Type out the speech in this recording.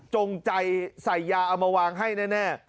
จงใจใส่ยาเอามาวางให้แน่